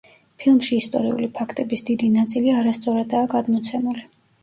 ფილმში ისტორიული ფაქტების დიდი ნაწილი არასწორადაა გადმოცემული.